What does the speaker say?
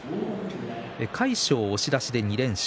魁勝、押し出しで連勝。